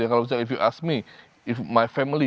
kalau misalnya anda bertanya kepada saya